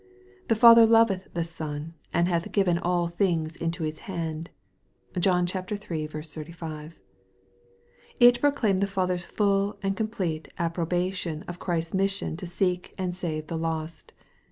" The Father loveth the Son, and hath given all things into His hand." (John iii. 35.) It proclaimed the Father's full and complete approbation of Christ's mission to seek and save the lost.